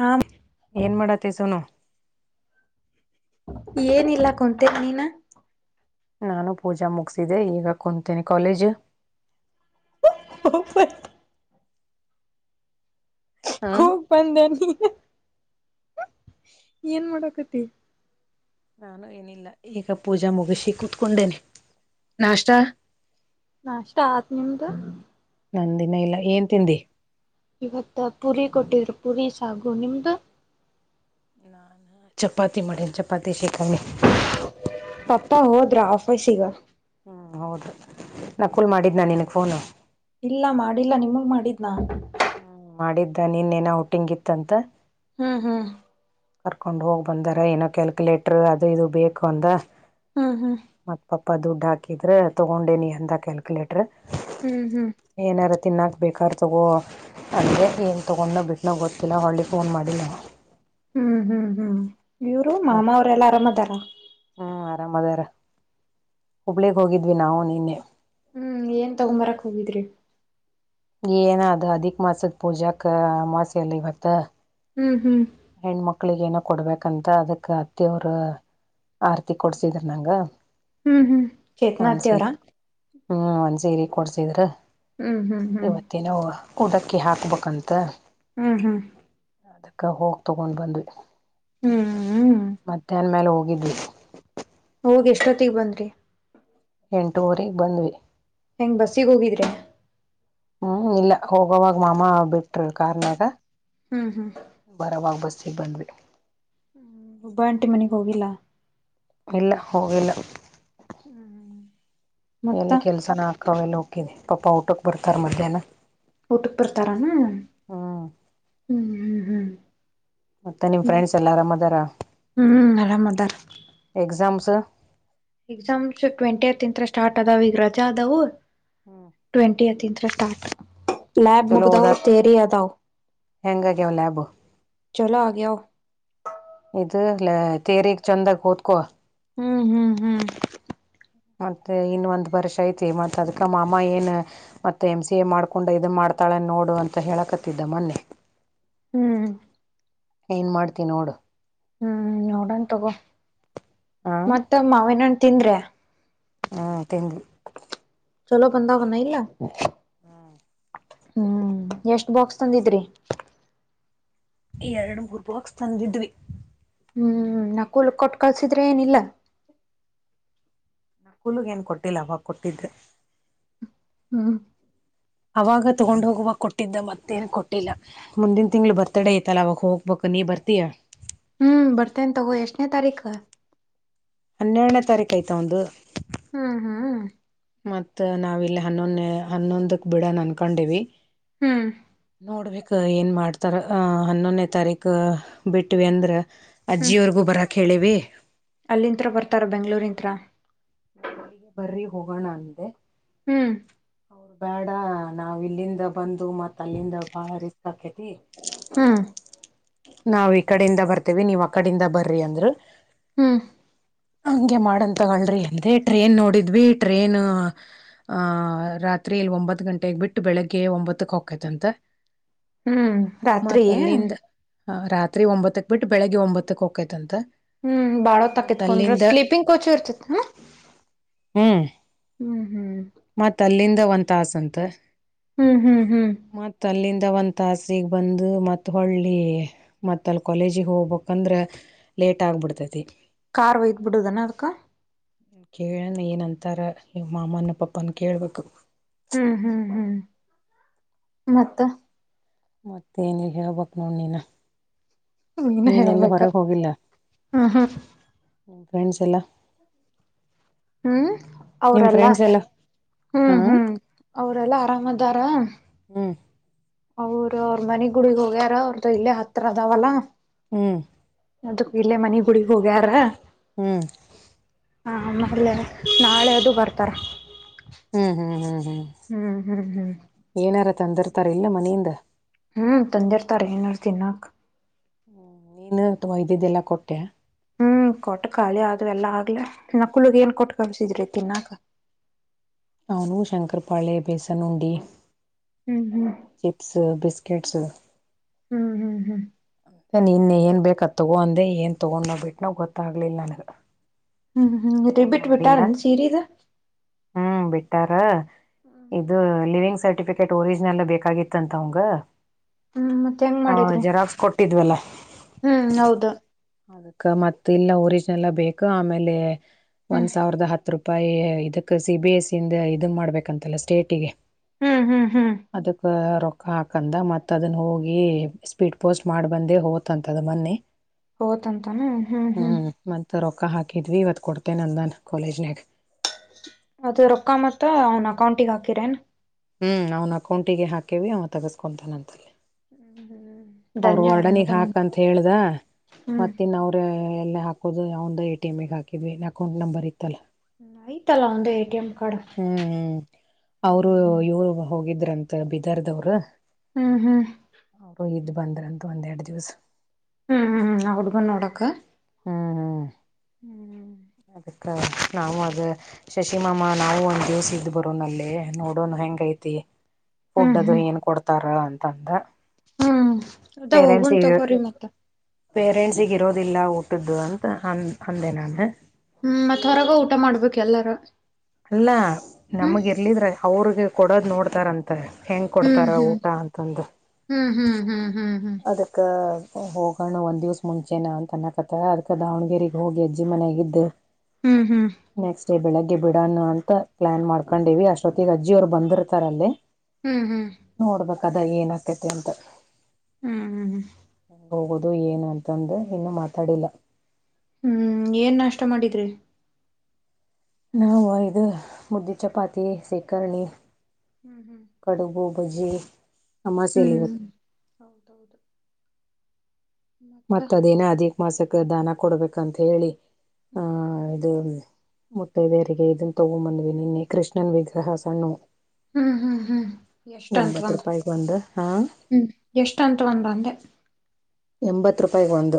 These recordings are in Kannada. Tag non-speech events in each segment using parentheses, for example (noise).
ಹಾ ಏನ್ ಮಾಡತ್ತಿ ಸೋನು ಏನಿಲ್ಲ ಕುಂತೇರಿ ನೀನ ನಾನು ಪೂಜಾ ಮುಗಸಿದೆೆ ಈಗ ಕುಂತೇನೆ ಕಾಲೇಜ್ ಹ (inaudible) ಹಾ ಬಂದನ ಏನ್ ಮಾಡಕತಿ ನಾನು ಏನಿಲ್ಲ ಈಗ ಪೂಜಾ ಮುಗಿಸಿ ಕುೂತ್ಕೊಂಡೇನೆ ನಾಷ್ಟ ಅಷ್ಟ ಆತ್ ನಿಮ್ದು ನಾ ದಿನ ಇಲ್ಲ ಏನ್ ತಿನಂದ ಇವತ್ತ ಪುರಿ ಕೊಟ್ಟಿದರು ಪುರಿ ಸಾಗು ನಿಮ್ದು ನಾನು ಚಪಾತಿ ಮಾಡಿನ್ ಚಪಾತಿ ಶಕಾವಿ ಪಾಪ್ಪ ಹೋದ್ರಾ ಆಫೀಸ ಈಗ ಹ್ಮ್ ಹೌದೀ ನಾ ಕೂಲ್ ಮಾಡಿದ್ದ್ ನ ನಿನ ಫೋನು ಇಲ್ಲ ಮಾಡಿಲ್ಲ ನಿಮಗ್ ಮಾಡಿದ್ನಾ ಹ್ಮ್ ಮಾಡಿದ್ದ ನೀ ಇನ್ನೇನ್ ಔಟಿಂಗ್ ಇತ್ತಂತ ಹ್ಮ ಹ್ಮ ಕರ್ಕೊಂಡ್ ಹೋಗ್ ಬಂದಾರ ಏನೋ ಕ್ಯಾಲ್ಕ್ಯುಲೇಟರ್ ಅದು ಇದು ಬೇಕು ಅಂತ ಹಾ ಹಾ ಮತ್ ಪಾಪ ದುಡ್ಡು ಹಾಕಿದ್ರ ತಗೊಂಡೇನಿ ಅಂದ ಕ್ಯಾಲ್ಕ್ಯುಲೇಟರ್ ಹ್ಮ್ ಹ್ಮ್ ಏನಾರು ತಿನ್ನಾಕ್ ಬೇಕಾರ ತಗೋ ಅಂದರೆ ಏನು ತೊಗೊಂಡೋ ಬಿಟ್ಟನೋ ಗೊತ್ತಿಲ್ಲ ಹೊಳ್ಳಿಗೆ ಫೋನ್ ಮಾಡಿಲ್ಲವು ಹ್ಮ್ ಹ್ಮ್ ಹ್ಮ್ ಇವ್ರು ಮತ್ ಮಾಮ ಅವ್ರ ಎಲ್ಲಾ ಅರಾಮ್ ಅದಾರ ಹ್ಮ್ ಆರಾಮ್ ಅದಾರ ಹುಬ್ಳಗ್ ಹೋಗಿದ್ವಿ ನಾವು ನಿನ್ನೆ ಹ್ಮ್ ಏನ್ ತಗೊಂಬರಕ್ ಹೋಗಿದ್ರಿ ಏನ ಅದು ಅಧಿಕ ಮಾಸದ ಪೂಜಕ ಮಾಸಲ್ಲಿ ಇವತ್ತು ಹ್ಮ್ ಹ್ಮ್ ಹೆಣ್ಮಕ್ಳಿಗೆ ಏನೋ ಕೊಡ್ಬೇಕಂತ ಅದಕ್ ಅತ್ತಿವರು ಆರ್ತಿ ಕೊಡ್ಸಿದ್ರ ನಂಗ ಹ್ಮ್ ಹ್ಮ್ ಒಂದ್ ಚೇತನಾತಿ ಅವ್ರ ಸೀರಿ ಹ್ಮ್ ಒಂದ್ ಸೀರಿ ಕೊಡ್ಸಿದ್ರ ಹ್ಮ್ ಹ್ಮ್ ಹ್ಮ್ ಇವತ್ತೇನೋ ಉಡಕ್ಕಿ ಹಾಕ್ಬೇಕಂತ ಹ್ಮ್ ಹ್ಮ್ ಅದಕ್ಕೆ ಹೋಗಿ ತಗೊಂಡ್ ಬಂದ್ವಿ ಹ್ಮ್ ಹ್ಮ್ ಮತ್ತೆ ಅನ್ಮೇಲೆ ಹೋಗಿದ್ವಿ ಹೋಗ್ ಎಷ್ಟೊತ್ತಗ್ ಬಂದ್ರಿ ಎಂಟುವಊರೆ ಬಂದ್ವಿ ಹೆಂಗ್ ಬಸ್ಸಿಗೆ ಹೋಗಿದ್ರೆ ಹ್ಮ್ ಇಲ್ಲ ಹೋಗವಾಗ ಮಾಮ ಬಿಟರು ಕಾರಾರ್ನ್ನಗಾ ಹ್ಮ್ ಹ್ಮ್ ಬರವಾಗಿ ಬಸ್ಸಿಗೆ ಬಂದ್ವಿ ಒಬ್ಬ ಆಂಟಿ ಮನೆಗ್ ಹೋಗಿಲ್ಲಾ ಇಲ್ಲ ಹೋಗಿಲ್ಲ ಹ್ಮ್ ಹ್ಮ (inaudible) ಎಲ್ಲಿ ಕೆಲ್ಸಾನ ಹಾಕಾವ ಎಲ್ಲ ಹೋಕಿಣಿ ಪಾಪಾ ಊಟಕ್ ಬರ್ತಾರ ಮಧ್ಯಾಹ್ನ ಊಟುಕ್ ಬರ್ತಾರೇನಾ ಹ್ಮ್ ಹ್ಮ್ ಹ್ಮ್ ಹ್ಮ್ ಮತ್ತೆ ನಿಮ್ (unintelligible) ಫ್ರೆಂಡ್ಸ್ ಎಲ್ಲಾರಾಮ್ ಅದಾರ ಹ್ಮ್ ಆರಾಮದ ರ್ ಎಕ್ಸಾಮ್ಸ್ ಎಕ್ಸಾಮ್ಸ್ ಟ್ವೆಂಟಿ ತ್ ತೀಂತ್ಯಥ ಇದ್ಸ್ಟಾರ್ ಸ್ಟಾರ್ಟ್ ಆದಾವ ಈಗ ರಜಾ ಅದವು ಹ್ಮ್ ಟ್ವೆಂಟಿ ಯಾತ್ತು ಇದ್ರೆ ಸ್ಟಾರ್ಟ್ ಲೈಬ ಚಲೋ ಮುಗ್ದಾವ್ ಓದತ್ ತರೆೆಯದಾವ (unintelligible) ಹೆಂಗಾಗ್ಯಾವ ಲ್ಯಾಬ್ ಚೆಲುವಾಗಿ ಹೂ ಇದುಲ್ಲ ತೇರಗ್ ಚಂದಾಗ ಓದ್ಕೋ ಹ್ಮ್ ಹ್ಮ್ ಹ್ಮ್ ಮತ್ತೆ ಇನ್ನ ಒಂದ್ ವರ್ಷ ಐತಿ ಮತ್ತ ಅದ್ಕ ಮಾ ಮ್ಮ ಏನು ಮತ್ತೆ ಎಮ್ ಸಿ ಎ ಮಾಡ್ಕೊಂಡ ಇದ ಮಾಡ್ತಾಳೆ ನೋಡು ಅಂತ ಹೇಳಕತ್ತಿದ್ದ ಮೊನ್ನೆ ಹ್ಮ್ ಏನು ಮಾಡ್ತಿವಿ ನೋಡು ನಡನ್ ತಗೋ ಹ ಮತ್ತ ಮಾವ ಹಣ್ ತಿಂದ್ರೆ ಹ್ಮ ತಂಗು ಚಲೋ ಬಂದಾವಣ ಇಲ್ಲ ಹ್ಮ ಹ್ಮ್ ಎಷ್ಟ್ ಬಾಕ್ಸ್ ತಂದಿದ್ರಿ ಎರಡು ಮೂರ್ ಬಾಕ್ಸ್ ತಂದಿದ್ವಿ ಹ್ಮ್ ನಾ ಕೂಲ್ ಕೊಟ್ಟು ಕಳ್ಸಿದ್ರೆ ಏನಿಲ್ಲ ಕುೂಗ್ ಏನ್ ಕೊಟ್ಟಿಲ್ಲ ಅವಾಗ ಕೊಟ್ಟಿದ್ರೆ ಹ್ಮ್ ಅವಾಗ ತಗೊಂಡ್ ಹೋಗುವಾಗ ಕೊಟ್ಟಿದ್ದ ಮತ್ತೇನು ಕೊಟ್ಟಿಲ್ಲ ಮುಂದಿನ ತಿಂಗಳು ಬರ್ತಡೇ ಐ್ತಲ್ಲ ಅವವಾಗ ಹೋಗ್ಬೇಕು ನೀ ಬರ್ತೀ ಹ್ಮ್ ಬರ್ತೇನೆ ತಗೋ ಎಷ್ಟನೇ ತಾರೀಖ ಹನ್ನೆರಡನೇ ತಾರೀಕು ಆಯ್ತ ಒಂದು ಹ್ಮ ಹ್ಮ್ ಮತ್ತ್ ನಾವ ಇಲ್ಲಿ ಹನ್ನೊಂದೇ ಹನ್ನೊಂದಕ್ ಬಿಡ ಅನ್ಕೊಂಡಿವ ಹ್ಮ್ ನೋಡ್ಬೇಕು ಏನ್ ಮಾಡ್ತಾರ ಹನ್ನೊನೇ ತಾರೀಕು ಬಿಟ್ವಿ ಅಂದ್ರೆ ಹ್ಮ್ ಅಜ್ಜಿಯವರ್ಗು ಬರ ಕೇಳಿವ ಅಲ್ಲಿಂತ್ರ ಬರ್ತಾರ ಬೆಂಗ್ಗಳೂರಿಂತ್ರ ನಾ ಇಲ್ಲಿಗೆ ಬರ್ರಿ ಹೋಗೋಣ ಅಂದೆ ಹ್ಮ್ ಅವ್ರು ಬೇಡ ನಾವ್ ಇಲ್ಲಿಂದ ಬಂದು ಮತ್ತ್ ಅಲ್ಲಿಂದ ಬಾಳ ರಿಸ್ಕ್ ಹಾಕೇತಿ ಹ್ಮ ನಾವ್ ಈ ಕಡಿಂದ ಬರ್ತೇವಿ ನೀವ್ ಅ ಕಡಿಂದ ಬರ್ರಿ ಅಂದ್ರರು ಹ್ಮ್ ಹಂಗೆ ಮಾಡಂತಗಳ್ರಿ ಎಂದೇ ಟ್ರೇನ್ ನೋಡಿದ್ವಿ ಟ್ರೇನ್ ಆಹ ರಾತ್ರಿ ಇಲ್ಲಿ ಒಂಬತ್ತು ಗಂಟೆಗೆ ಬಿಟ್ಟು ಬೆಳಿಗ್ಗೆ ಒಂಬತ್ತಕ್ ಹಕೈತ್ಂತ ಹ್ಮ್ ರಾತ್ರಿ ಮತ್ ಅಲ್ಲಿಂದ ರಾತ್ರಿ ಒಂಬತ್ತಕ್ ಬಿಟ್ಟು ಬೆಳಿಗ್ಗೆ ಒಂಬತ್ತಕ್ ಹಕೈತಂತ ಹ್ಮ್ ಬಾಳ ತಕತ್ಕೊಂಡ್ರ ಸ್ಲೀಪಿಂಗ್ ಕೋಚು ಇರ್ತಿತಿ ಹ ಹ್ಮ್ ಹ್ಮ್ ಮತ್ಲ್ಲಿಂದ ಒಂತಾಸ ಅಂತ ಹ್ಮ್ ಹ್ಮ್ ಹ್ಮ್ ಮತ್ತತ್ ಅಲ್ಲಿಂದ ಒಂದ ತಾಸಗ್ ಬಂದು ಮತ್ ಹೊಳ್ಳಿ ಮತ್ತ ಅಲ್ ಕಾಲೇಜಿ ಹೋಗ್ಬಕ್ಂದ್ರ ಲೇಟ್ ಆಗ್ಬಿಡ್ತೈತಿ ಕಾರ್ ಒಯ್ದ್ ಬಿಡುದದಾನ ಅದ್ ಕೇಳನ್ ಏನಂತಾರ ಮಾಮನ ಪಾಪನ್ ಕೇಳ್ಬೇಕು ಹ್ಮ್ ಹ್ಮ್ ಹ್ಮ್ ಮತ್ತ ಮತ್ತೆ ಏನ ಹೇಳ್ಬಕ್ ನೋಡ್ ನೀನ ನೀನ ನೀನೆ ಎಲ್ಲ ಹೇಳ್ಬೇಕ ಹೊರಗೆ ಹೋಗಿಲ್ಲ ಹ್ಮ್ ಹ್ಮ್ ಫ್ರೆಂಡ್ಸ್ ಎಲ್ಲ ಹ್ಮ್ ನಿಮ್ ಅವ್ರಲ್ಲ ಫ್ರೆಂಡ್ಸ್ ಎಲ್ಲ ಹಾ ಹ್ಮ್ ಹ್ಮ್ ಅವ್ರಲ್ಲಾ ಆರಾಮದಾರ ಹ್ಮ್ ಅವರು ಅವ್ರ ಮನೆ ಗುಡಗ್ ಹೋಗ್ಯಾರ ಅವ್ರ್ದ ಇಲ್ಲೇ ಹತ್ರ ಅದಾವಲ್ಲ ಹ್ಮ್ ಅದ ಇಲ್ಲೇ ಮನ ಗುಡಗ್ ಹೋಗ್ಯಾರ ಹ್ಮ್ ಹಾ ಆಮೇಲೆ ನಾಳೆ ಅದು ಬರ್ತಾರ ಹ್ಮ್ ಹ್ಮ್ ಹ್ಮ್ ಹ್ಮ್ ಹ್ಮ್ ಹ್ಮ್ ಹ್ಮ್ ಏನಾರ ತಂದಿರ್ತಾರ ಇಲ್ಲ ಮನೆಯಿಂದ ಹ್ಮ್ ತಂದಿರ್ತಾರ ಏನರ್ ತಿನ್ಕ್ ನೀನು ತುಂಬ ಇದ್ದಿದ್ದೆಲ್ಲ ಕೊಟ್ಟೆ ಹ್ಮ್ ಕೊಟ್ಟ ಕಾಲಿ ಅದು ಎಲ್ಲಾ ಆಗ್ಲ ನಕುಲುಗ್ ಏನ್ ಕೊಟ್ಟ ಕಲಿಸಿದ್ರಿ ತಿನ್ನಾಕ ಅವನು ಶಂಕರ ಪಾಳೆ ಬೇಸನ್ ಉಂಡಿ ಹ್ಮ್ ಹ್ಮ್ ಚಿಪ್ಸ್ ಬಿಸ್ಕಿಟ್ಸ್ ಹ್ಮ್ ಹ್ಮ್ ಹ್ಮ್ ನಾನನ್ ಇನ್ನ ಏನ್ ಬೇಕ ತೊಗೊ ಅಂದೆ ಏನ್ ತೊಗೊಂಡ ನೋ ಬಿಟ್ಟಟ್ ನ ಗೊತ್ತಾಗ್ಲಿಲ್ಲ ನನ್ಗ ಹ್ಮ್ ಹ್ಮ್ ರಿಬ್ಬಿಟ್ ಬಿಟ್ಟಾರ ಸೀರಿದ ಹ್ಮ್ ಬಿಟ್ಟಾರ ಇದು ಲಿವಿಂಗ್ ಸರ್ಟಿಫಿಕ ಕಕೆಟ್ ಒರಿಜಿನಲ್ ಬೇಕಾಗಿತ್ತ ಅಂತ ಅವಂಗ ಹ್ಮ್ ಮತ್ತೆ ಹೆಂಗ್ ಮಾಡಿದ್ರಿ ಜೆರಾಕ್ಸ್ ಕೊಟ್ಟಿದ್ವಲ್ಲ ಹ್ಮ್ ಹೌದು ಅದಕ್ಕ ಮತ್ತ ಇಲ್ಲ ಒರಿಜಿನಲ್ ಬೇಕು ಆಮೇಲೆ ಹ್ಮ್ ಒಂದ್ ಸಾವಿರದ ಹತ್ತು ರೂಪ ಇದಕ್ ಸಿ ಬಿ ಎಸ್ ಸಿಂದ ಇದನ್ ಮಾಡ್ಬೇಕಂತಲ್ಲ ಸ್ಟೇಟಿಗೆ ಹ್ಮ್ ಹ್ಮ್ ಹ್ಮ್ ಅದಕ್ಕ ರೊಕ್ಕ ಹಾಕಂದ ಮತ್ತ ಅದನ್ನ ಹೋಗಿ ಸ್ಪೀಡ್ ಪೋಸ್ಟ್ ಮಾಡಿ ಬಂದೆ ಹ ಅಂತದ ಮೊನ್ನೆ ಹಓತಂತಾನ ಹ್ಮ್ ಹ್ಮ್ ಮತ್ತು ರೊಕ್ಕ ಹಾಕಿದ್ವಿ ಇವತ್ತು ಕೊಡ್ತೇನೆ ನಂದು ನು ಕಾಲೇಜ್ನಾಗ ಅದು ರೊಕ್ಕ ಮತ್ತ ಅವ್ನ ಅಕೌಂಟಿಗೆ ಹಾಕಿರೇನ್ ಹ್ಮ್ ಅವ್ನ ಅಕೌಂಟಿಗೆ ಹಾಕೇವಿ ಅವನ್ ತಗಸ್ಕೊತಾನ ಅಂತಲ್ಲಿ ಅವರು ಧನ್ಯ ಹೊರ್ಡನಗ್ ಆರಾಮದಾನ ಹಾಕಂತ ಹೇಳ್ದ ಹ್ಮ್ ಮತ್ತ ಇನ್ನು ಅವ್ರ ಎಲ್ಲ ಹಾಕೋದು ಒಂದು ಎ ಟಿ ಎಮ್ ಹಾಕಿದ್ವಿ ಅಕೌಂಟ್ ನಂಬರ್ ಇತ್ತಲ್ಲ ನ ತಲ್ಲಾಂದ ಏಟಿ ಎಮ ಕಾರ್ಡ ಹ್ಮ್ ಅವರು ಇವರು ಹೋಗಿದ್ರಂತ ಬಿದರ್ದವರು ಹ್ಮ್ ಹ್ಮ್ ಅವ ಇದ್ ಬಂದ್ರಂತ ಒಂದೆರಡು ದಿವಸ ಹ್ಮ್ ಹ್ಮ್ಾ ಹಡುಗಣೋಡಕ್ಕ ಹ್ಮ್ ಹ್ಮ್ ಹ್ಮ್ ಅದಕ್ಕ ನಾವು ಅದ ಶಶಿಮಮ್ಮಾ ನಾವು ಒಂದ್ ದಿವ್ಸ ಇದ್ ಬರೋ ನ ಅಲ್ಲಿ ನೋಡೋಣ ಹೆಂಗ ಐತಿ ಹ್ಮ್ ಫುಡ್ ಅದು ಹ್ಮ್ ಏನ್ ಕೊಡ್ತಾರ ಅಂತಂದ ಹ್ಮ್ ಅದ ಹೋಗುನ್ ಪೇರೆಂಟ್ಸ್ಗ ತಗೋರಿ ಮತ್ತ ಪೇರೆಂಟ್ಸಿಗೆ ಇರೋದಿಲ್ಲ ಊಟದ್ದು ಅಂತ ಅಂದ ಅಂದೆ ನಾನು ಹ್ಮ್ ಮತ್ತತ್ ಹೊರಗ ಊಟ ಮಾಡ್ಬೇಕು ಎಲ್ಲಾರ ಅಲ್ಲ ಹ್ಮ್ ನಮಗ ಇರ್ಲಿದ್ರ ಅವ್ರಿಗೆ ಕೊಡೋದ್ ನೋಡ್ತಾರಂತ ಮತ್ತ ಹೆಂಗ್ ಹ್ಮ್ ಕೊಡ್ತಾರ ಹ್ಮ್ ಊಟ ಅಂತಂದು ಹ್ಮ್ ಹ್ಮ್ ಹ್ಮ್ ಹ್ಮ್ ಅದಕ್ಕ ಹೋಗೋಣ ಒಂದ್ ದಿವ್ಸ ಮುಂಚೆನ ಅಂತ ಅನ್ನಕತ್ತ ಅದಕ ದಾವಣಗೆರೆಗೆ ಹೋಗಿಜ್ಜಿ ಮನೆಾಗ ಇದ್ದು ಹ್ಮ್ ಹ್ಮ್ ನೆಕ್ಸ್ಟ್ ಡೇ ಬೆಳಗ್ಗೆ ಬಿಡೋಣ ಅಂತ ಪ್ಲಾನ್ ಮಾಡ್ಕೊಂಡಿವವಿ ಅಷ್ಟೊತ್ತಿಗೆ ಅಜ್ಜಿ ಅವರು ಬಂದಿರ್ತಾರಲ್ಲಿ ಹ್ಮ್ ಹ್ಮ್ ನೋಡ್ಬೇಕದ ಏನ್ ಆಕೈತಿ ಅಂತ ಹ್ಮ್ ಹ್ಮ್ ಹ್ಮ ಹೋಗೋುದು ಏನು ಅಂತಂದ ಇನ್ನು ಮಾತಾಡಿಲ್ಲ ಹ್ಮ್ ಏನ್ ನಷ್ಟ ಮಾಡಿದ್ರಿ ನಾವು ಇದು ಮುದ್ದೆ ಚಪಾತಿ ಸೇಖರ್ರಣೆ ಹ್ಮ್ ಹ್ಮ್ ಕಡುಗು ಬಜಿ ಹ್ಮ್ ಹೌದೌದು ಮತ್ತ ಮತ್ತತ್ ಅದೇನ ಅಧಿಕ ಮಾಸಕ್ಕೆ ದಾನ ಕೊಡ್ಬೇಕಂತ ಹೇಳಿ ಆಹ ಮತ್ತೆ ಬೇರೆಗೆ ಇದನ್ ತಗೊಂಬಂದ್ವಿ ನಿನ್ನೆ ಕೃಷ್ಣನ್ ವಿಗ್ರಹ ಸಣ್ಣು ಹ್ಮ್ ಹ್ಮ್ ಹ್ಮ್ ಎಷ್ಟ ಅಂತ ಎಂಬತ್ ಒಂದ ರೂಪಾಯಿಗೆ ಒಂದು ಹಾ ಹ್ಮ್ ಎಷ್ಟ ಅಂತ ಒಂದ ಬಂದೆ ಎಂಬತ್ತು ರೂಪಾಯಿಗೆ ಒಂದು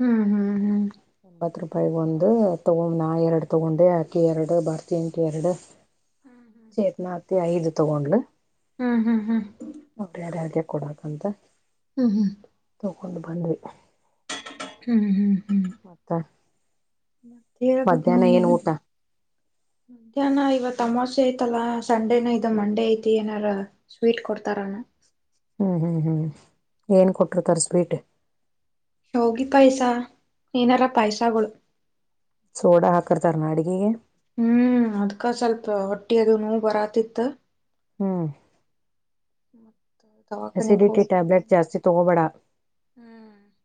ಹ್ಮ್ ಹ್ಮ್ ಹ್ಮ್ ಎಂಬತ್ತು ರೂಪಾಯಿ ಒಂದು ತಗೊ ನಾ ಎರಡು ತಗೊಂಡೆ ಅಕಿ ಎರಡು ಬರ್ತ ಅಂಕಿ ಎರಡು ಸೇತ್ನಾತಿ ಐದು ತಗೊಂಡಲು ಹ್ಮ್ ಹ್ಮ್ ಹ್ಮ್ ನ ಯಾರ್ಯ ಕೊಡಾಕ್ಂತ ಹ್ಮ್ ಹ್ಮ್ ಕೊಂಡು ಬಂದ್ವಿ ಹ್ಮ್ ಹ್ಮ್ ಹ್ಮ್ ಮತ್ತೆ ಹೇಳ್ಬೇಕು ಮಧ್ಯಾಹ್ನ ನೋಡ್ ಏನ್ ನೀನು ಊಟ ಮಧ್ಯಾಹ್ನ ಇವ ಆಮೋಸೆ ಐತಲ್ಲಾ ಸಂಡೇನ ಇದು ಮಂಡೇ ಐತಿ ಏನಾರ ಸ್ವೀಟ್ ಕೊಡ್ತಾರಣ ಹ್ಮ್ ಹ್ಮ್ ಹ್ಮ್ ಏನ್ ಕೊಟ್ಟಿರ್ತಾರೆ ಸ್ವೀಟ್ ಹೋಗಿ ಪಾಯಸ ಏನಾರ ಪಾಯಸಳ ಸೋಡ ಹಾಕ್ಕರ್ ತರ್ನಾಡಿಗೆಗೆ ಹ್ಮ್ ಅದ್ಕ ಸ್ವಲ್ಪ ಹೊಟ್ಟಿ ಅದು ನೋವು ಬರಾತಿತ್ತ ಹ್ಮ್ ಮತ್ತು ಅಸಿಡಿಟಿ ಟ್ಯಾಬ್ಲೆಟ್ ಜಾಸ್ತಿ ತೊಗೋಬೇಾ ಹ್ಮ್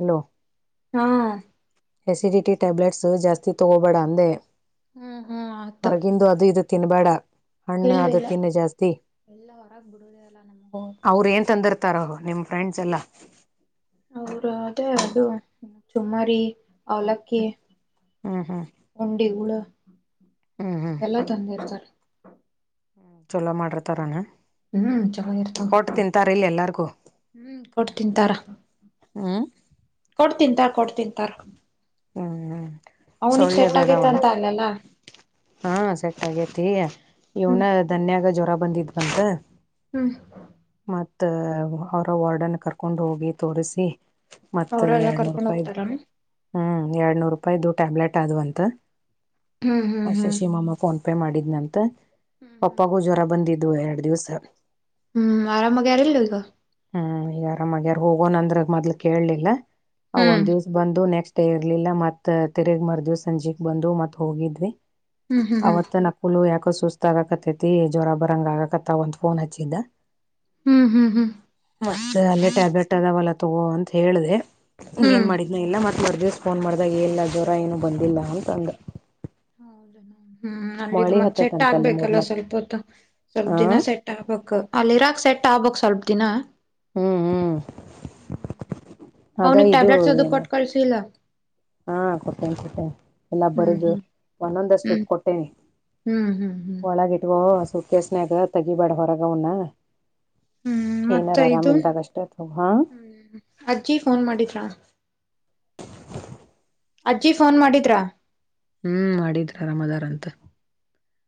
ಹಲೋ ಹಾ ಎಸಿಡಿಟಿ ಟ್ಯಾಬ್ಲೆಟ್ಸ್ ಜಾಸ್ತಿ ತಗೋಬೇಡ ಅಂದೆ ಹ್ಮ್ ಹ್ಮ್ ಆತ ಹೊರಗೆ ಹೊರಗಡೆದು ಅದು ಇದು ತಿನ್ಬೇಡ ಹಣ್ಣು ಇಲ್ಲ ಅದ ಇಲ್ಲ ತಿನ ಜಾಸ್ತಿ ಎಲ್ಲ ಹೊರಗ್ ಬಿಡುದೇ ಅಲ್ಲ ನಮ್ಗ ಅವ್ರ ಏನ್ ತಂದರ್ ನಿಮ್ ಫ್ರೆಂಡ್ಸ್ ಎಲ್ಲಾ ಅವ್ರ ಅದೇ ಅದು ಸುಮ್ಮಾರಿ ಅವಲಕ್ಕಿ ಹ್ಮ್ ಹ್ಮ್ ಹಂಡಿ ಹುಳು ಹ್ಮ್ ಹ್ಮ್ ಎಲ್ಲ ತಂದಿರ್ತಾರೆ ಚೊಲೋ ಮಾಡ್ರತಾರಾನ ಹ್ಮ್ ಚೆನ್ನಾಗಿರ್ತವ ಎಲ್ಲಾರ್ಗೂ ಹ್ಮ್ ಕೊಟ್ಟ ತಿಂತಾರ ಹ್ಮ ಕೊಡ್ ತಿಂತ ಕೊಡ್ ತಿಂತ ಹ್ಮ್ ಹ್ಮ್ ಅವನಿಗೆ ಸೊಳ್ಳೆದ ಸೆಟ್ ಆಗೈತ ಅದಾವಲ್ಲ ಅಂತ ಅಲ್ಲಲ್ಲಾ ಹಾ ಸೆಟ್ ಆಗೇತಿ ಇವ್ನ ಹ್ಮ್ ಧನ್ಯಾಗ ಜ್ವರ ಬಂದಿದ್ ಬಂತ ಹ್ಮ್ ಮ ಅವರ ವಾರ್ಡನ್ನು ಕರ್ಕೊಂಡು ಹೋಗಿ ತೋರಿಸಿ ಮತ್ತ ಅವರೆಲ್ಲ ಎರಡ್ನೂರು ಕರ್ಕೊಂಡ್ ರೂಪಾಯ ಹೋಗ್ತಾರ ಹ್ಮ್ ಎರಡ್ನೂರು ರೂಪಾಯ್ದ ಟ್ಯಾಬ್ಲೆಟ್ ಆದ ಅಂತ ಹ್ಮ್ ಆ ಹ್ಮ್ ಹ್ಮ್ ಶಶಿಮಮ್ಮ ಫೋನ್ ಪೇ ಮಾಡಿದ್ನಂತ ಪಪ್ಪಾಗೂ ಜ್ವರ ಬಂದಿದು ಎರಡ್ ದಿವ್ಸ ಹ್ಮ್ ಆರಾಮಾಗ ಆರಲ್ಲ ಈಗ ಹ್ಮ್ ಈಗ ಆರಾಮಾಗಿಯಾರು ಹೋಗೋಣ ಅಂದ್ರ ಮೊದ್ಲು ಕೇಳಲಿಲ್ಲ ಅವ ಹ್ಮ್ ಒಂದ್ ದಿವ್ಸ ಬಂದು ನೆಕ್ಸ್ಟ್ ಡೇ ಇರ್ಲಿಲ್ಲ ಮತ್ ತಿರಗ್ ಮರ್ದವಿ ಸಂಜೆಗ್ ಬಂದು ಮತ್ ಹೋಗಿದ್ವಿ ಹ್ಮ್ ಹ್ಮ್ ಅವತ್ ನಕುಲು ಯಾಕ ಸುಸ್ತ ಆಗಕತ್ತೈತಿ ಜ್ರ ಬರಂಗ ಆಗಕತ್ತ ಒಂದ್ ಫೋನ್ ಹಚ್ಚಿದ್ದ ಹ್ಮ್ ಹ್ಮ್ ಹ್ಮ್ ಮತ್ತೆ ಅಲ್ಲೇ ಟ್ಯಾಬ್ಲೆಟ್ ಅದಾವಲ್ಲ ತಗೋ ಅಂತ ಹೇಳ್ದ ಏನ್ ಹ್ಮ್ ಮಾಡಿದ (unintelligible) ಹ್ಮ್ ಅಲ್ಲಿದ ಮಳಿ ಮತ್ ಸೆಟ್ ಹತ್ತೈತಂತ ಅಲ್ಲಿ ಆಗ್ಬೇಕಲ್ಲ ಮೂರ್ನಾಕ್ ಸ್ವಲ್ಪ ಹೊತ್ತು ಸ್ವಲ್ಪ ಆ ದಿನ ಸೆಟ್ ಅಲ್ಲಿ ಇರಾಕ್ ಸೆಟ್ಟಾಬಕ್ ಸ್ವಲ್ಪ ದಿನ ಹ್ಮ್ ಹ್ಮ್ ಅದ ಇದು ಏನ ಸಲ ಹಾ ಕೊಟ್ಟೇನೆ ಕೊಟ್ಟೇನೆ ಎಲ್ಲ ಹ್ಮ್ ಬರುದು ಹ್ಮ್ ಹ್ಮ್ ಒಂದೊಂದಷ್ಟಿಪ್ ಕೊಟ್ಟೇನೆ ಹ್ಮ್ ಹ್ಮ್ ಹ್ಮ್ ಒಳಗ ಇಟ್ವೊ ಸುಕ ಸ್ನಯಾಗ ತೆಗಿಬ್ಯಾಡ ಹೊರಗ ಅವನ್ನ ಹ್ಮ್ ಮತ್ತೆ ಏನಾರು ಆರಾಮ್ ಇದು ಇಲ್ದಾಗ ಅಷ್ಟತ್ ಹಾ ಹ್ಮ್ ಅಜ್ಜಿ ಫೋನ್ ಮಾಡಿದ್ರಾ ಅಜ್ಜಿ ಫೋನ್ ಮಾಡಿದ್ರಾ ಹ್ಮ್ ಮಾಡಿದ್ರ ಅರಾಮದಾರ ಅಂತ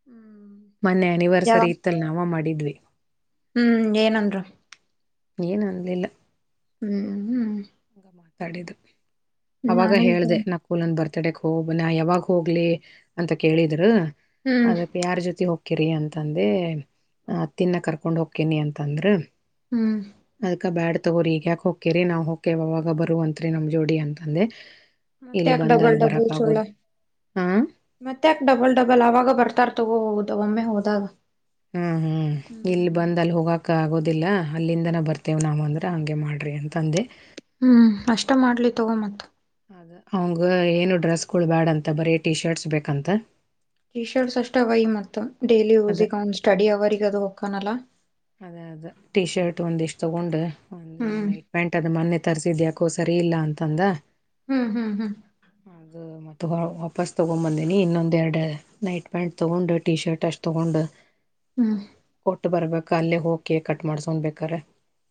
ಹ್ಮ್ ಮೊನ್ನೆ ಯಾವ ಅನಿವರ್ಸರಿ ಇತ್ತಲ ನಾವ ಮಾಡಿದ್ವಿ ಹ್ಮ್ ಏನಂದ್ರು ಏನು ಅನ್ಲಿಲ್ಲ ಹ್ಮ್ ಹ್ಮ್ ಹಂಗ ಮಾತಾಡಿದ್ದು ಅವಾಗ ನಾನು ಇದ ಹೇಳ್ದೆ ನ ಹು ನಾನ್ ಬರ್ತಡೆಗ್ ಹೋಗ ನಾ ಯಾವಾಗ ಹೋಗ್ಲಿ ಅಂತ ಕೇಳಿದ್ರು ಹ್ಮ್ ಅದಕ್ಕೆ ಯಾರ್ ಜೊತೆ ಹೋಗ್ ಕಿರಿ ಅಂತಂದೆ ತಿನ್ನಕ್ ಹ ಕರ್ಕೊಂಡ್ ಹೋಗ್ಕೇನಿ ಅಂತಂದ್ರ ಹ್ಮ್ ಅದ್ಕ ಬ್ಯಾಡ ತಗೋರಿ ಈಗ್ಯಾಕ ಹೋಕ್ಕಿರಿ ನಾವ್ ಹೋಗ್ ಅವಾಗ ಬರುವಂತ್ರೆ ನಮ್ ಜೋಡಿ ಅಂತಂದೆ ಮತ್ತೆ ಇಲ್ಲಿ ಯಾಕ ಬಂದ್ ಅಲ್ಲಿ ಬರಕ್ ಆಗೋದು ಹಾ ಮತ್ ಯಕ್ ಡಬಲ್ ಡಬಲ್ ಅವಾಗ ಬರ್ತಾರ ತಗೋ ಹೋಗುದು ಒಮ್ಮೆ ಹೋದಾಗ ಹ್ಮ್ ಹ್ಮ್ ಇಲ್ಲಿ ಹ್ಮ್ ಬಂದ್ ಅಲ್ಲಿ ಹೋಗಾಕ್ ಆಗೋದಿಲ್ಲ ಅಲ್ಲಿಂದನ ಬರ್ತೇವ ನಾವ್ ಅಂದ್ರ ಹಂಗೆ ಮಾಡ್ರಿ ಅಂದಿ ತಂದೆ ಹ್ಮ್ ಅಷ್ಟ ಮಾಡ್ಲಿ ತಗೋ ಮತ್ತ ಅವಂಗ ಏನು ಡ್ರೆಸ್ ಗಳು ಬ್ಯಾಡ ಅಂತ ಬರೀ ಟಿ ಶರ್ಟ್ಸ್ ಬೇಕಂತ ಟಿ ಶರ್ಟ್ಸ್ ಅಷ್ಟ ಅವೈ ಮತ್ತು ಡೈಲಿ ಅದ ಯೂಸಿಗೆ ಅವನ್ ಸ್ಟಡಿ ಅವರಿಗೆ ಅದು ಹೋಕ್ಕಾನಲ್ಲ ಅದೇ ಅದೇ ಟಿ ಶರ್ಟ್ ಒಂದಿಷ್ಟು ತಗೊಂಡು ಹ್ಮ್ ಪ್ಯಾಂಟ್ ಅದ್ ಮೊನ್ನೆ ತರ್ಸಿದ್ಯಾಕೋ ಸರಿ ಇಲ್ಲ ಅಂತಂದ ಹ್ಮ್ ಹ್ಮ್ ಹ್ಮ್ ಅದು ಮತ್ತು ವ ವಾಪಸ್ ತಗೊಬಂದೀನಿ ಇನ್ನೊಂದೆಡು ನೈಟ್ ಪ್ಯಾಂಟ್ ತೊಗೊಂಡು ಟಿ ಶರ್ಟ್ ಅಷ್ಟು ತೊಗೊಂಡು ಅನಿಂಟೆಲಿಜಬಲ್ (inaudible) ಹ್ಮ್ ಕೊಟ್ಟು ಬರ್ಬೇಕ ಅಲ್ಲೇ ಹೋಗ್ ಕೇಕ್ ಕಟ್ ಮಾಡ್ಸವ್ ಬೇಕಾರೆ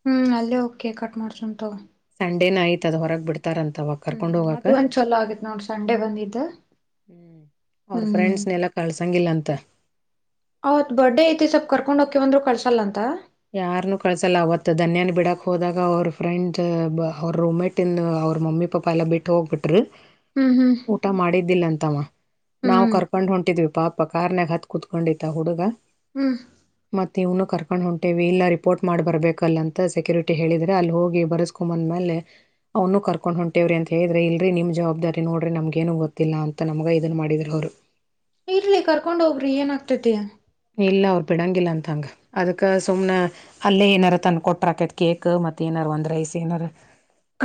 ಹ್ಮ್ ಅಲ್ಲೇ ಹೋಗ್ ಕೆಕ್ ಕಟ್ ಮಾಡ್ಸುಂ ತಗ ಸಂಡೆನಯತದ ಹೊರಗ್ ಬಿಡ್ ತರಂತವ ಹ್ಮ್ ಅದು ಒಂದ್ ಚಲ ಆಗೇತ್ ನೋಡ್ರಿ ಸಂಡೆ ಬಂದಿದ್ದ ಹ್ಮ್ ಅವ್ರ ಹ್ಮ್ ಫ್ರೆಂಡ್ಸ್ನೆಲ್ಲ ಕಳ್ಸಂಗಿಲ್ಲ ಅಂತ ಅವೌತ್ ಬರ್ಡೇ ಐತಿ ಸ್ಲ್ಪ್ ಕರ್ಕೊಂಡ್ಗಕ ಬಂದ್ರು ಕಳ್ಸಲ್ಲ ಅಂತ ಯಾರನ್ನು ಕಳ್ಸಲ್ಲ ಅವತ್ ಧನ್ಯನ್ ಬಿಡಕ್ ಹೋದಾಗ ಅವ್ರ ಫ್ರೆಂಡ್ ಅವ್ರ ರೂಮ್ ಮೇಟ್ ತಿನ್ ಅವ್ರ ಮಮ್ಮಿ ಪಾಪ ಎಲ್ಲಾ ಬಿಟ್ಟು ಹೋಗ್ಬಿಟರು ಹ್ಮ್ ಹ್ಮ್ ಊಟ ಮಾಡಿದ್ದಿಲ್ಲ ಅಂತವ ನಾವವು ಹ್ಮ್ ಕರ್ಕೊಂಡ್ ಹೊಂಟಿದ್ವಿ ಪಾಪ ಕಾರ್ನ್ಗ ಹತ್ ಕುೂತ್ಕೊಂಡಿಿತ ಹುಡುಗ ಹ್ಮ್ ಮತ್ತ ಇವ್ನು ಕರ್ಕೊಂಡ್ ಹೊಂಟು ಟಿ ಇಲ್ಲ ರಿಪೋರ್ಟ್ ಮಾಡಿ ಬರ್ಬೇಕಲ್ಲ ಅಂತ ಸೆಕ್ಯೂರಿಟಿ ಹೇಳಿದ್ರೆ ಅಲ್ಲಿ ಹೋಗಿ ಬರೆಸ್ಕೊಂಬಂದ್ಮೇಲೆ ಅವ್ನು ಕರ್ಕೊಂಡು ಹೊಂಟೇವ್ರ ಅಂತ ಹೇಳಿದ್ರೆ ಇಲ್ರಿ ನಿಮ್ಮ ಜವಾಬ್ದಾರಿ ನೋಡ್ರಿ ನಮ್ಗ ಏನು ಗೊತ್ತಿಲ್ಲ ಅಂತ ನಮಗ ಇದನ್ನ ಮಾಡಿದ್ರರು ಅವ್ರು ಇರ್ಲಿ ಕರ್ಕೊಂಡ್ ಹೋಗ್ರಿ ಏನ್ಗ್ತೈತಿಾ ಇಲ್ಲ ಅವ ಪಿಡಂಗಿಲ್ಲಂತಾಂಗ ಅದಕ್ಕ ಸುಮನೆ ಅಲ್ಲೇ ಏನಾರು ತಂದ ಕೊಟ್ರಾಕೇತ್ ಕೇಕ್ ಮತ್ತೆ ಏನಾರ್ ಒಂದ್ ರೈಸ್ ಏನಾದಾರ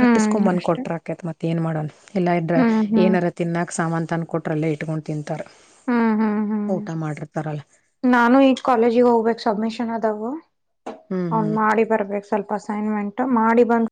ಹ್ಮ್ ಬಂದ ಅಷ್ಟೆ ಕೊಟ್ರ ಆಕೈತ್ ಮತ್ತ್ತ ನ್ ಮಾಡೋಣ ಇಲ್ಲಾ ಇದ್ರ ಹ್ಮ್ ಹ್ಮ್ ಏನರ ತಿನ್ನಕ ಸಾಮಾನನ್ ತಂದ ಕೊೊಟ್ರ ಅಲ್ಲೇ ಇಟ್ಕೊಂಡ್ ತಿಂತಾರ ಹ್ಮ್ ಹ್ಮ್ ಹ್ಮ್ ಊಟ ಮಾಡಿರ್ತಾರಲ್ಲ ನಾನು ಈಜ್ ಕಾಲೇಜಿಗೆ ಹೋಗ್ಬೇಕು ಅಡ್ಮಿಷನ್ ಅದಾವ ಹ್ಞೂ ಅವನ್ ಹ್ಞೂ ಮಾಡಿ ಬರ್ಬೇಕ ಸ್ವಲ್ಪ ಅಸೈನ್ಮೆಂಟ್ ಮಾಡಿ ಬಂದು